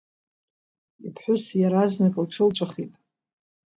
Иԥҳәыс иаразнак лҽылҵәахит.